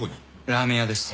ラーメン屋です。